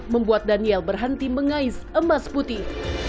membuat daniel berhenti mengais emas putih